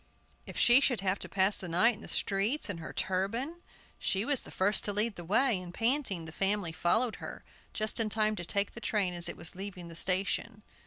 If she should have to pass the night in the streets in her turban! She was the first to lead the way, and, panting, the family followed her, just in time to take the train as it was leaving the station.